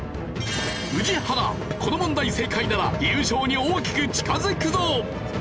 この問題正解なら優勝に大きく近づくぞ！